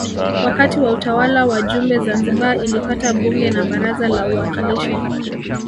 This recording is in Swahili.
Wakati wa utawala wa Jumbe Zanzibar ilipata Bunge na Baraza la Uwakilishi